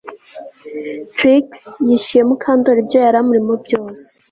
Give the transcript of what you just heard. Trix yishyuye Mukandoli ibyo yari amurimo byose